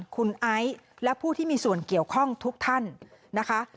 คุณไอซ์และผู้ที่มีส่วนเกี่ยวข้องทุกท่านนะคะ